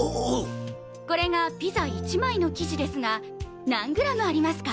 これがピザ１枚の生地ですが何グラムありますか？